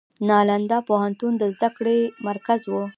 نالندا پوهنتون د زده کړې مرکز و.